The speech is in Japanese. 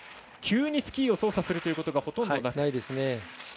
急にスキーを操作するということほとんどないですね。